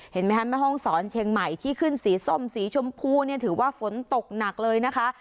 เห็นไหมคะแม่ห้องศรเชียงใหม่ที่ขึ้นสีส้มสีชมพูเนี่ยถือว่าฝนตกหนักเลยนะคะ